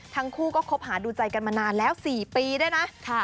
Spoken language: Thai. ทั้งคู่ก็คบหาดูใจกันมานานแล้ว๔ปีด้วยนะ